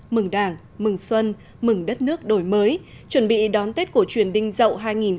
mừng đảng mừng xuân mừng đất nước đổi mới chuẩn bị đón tết của truyền đinh dậu hai nghìn một mươi bảy